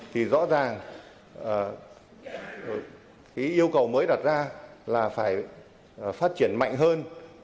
thì rõ ràng yêu cầu mới đặt ra là phải phát triển mạnh hơn